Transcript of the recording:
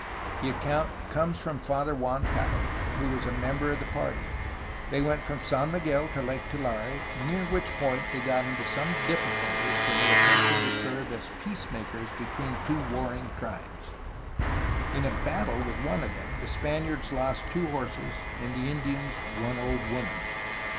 The account comes from Father Juan Cabot, who was a member of the party. They went from San Miguel to Lake Tulare, near which point they got into some difficulties when they attempted to serve as peacemakers between two warring tribes. In a ^ ^battle' ^ with one of them the Spaniards lost two horses and the Indians one old woman.